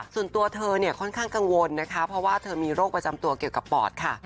ส่วนตัวเธอเนี่ยค่อนข้างกังวลนะคะเพราะว่าเธอมีโรคประจำตัวเกี่ยวกับปอดค่ะ